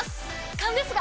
勘ですが！